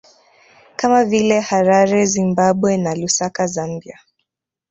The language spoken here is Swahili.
Kama vile Harare Zimbabwe na Lusaka Zambia